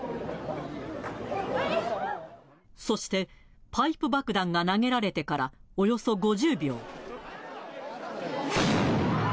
そして、パイプ爆弾が投げられてから、およそ５０秒。